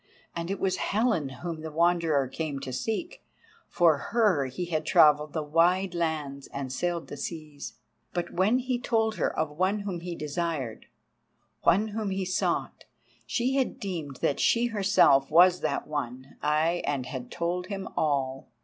And it was Helen whom the Wanderer came to seek, for her he had travelled the wide lands and sailed the seas. But when he told her of one whom he desired, one whom he sought, she had deemed that she herself was that one, ay, and had told him all.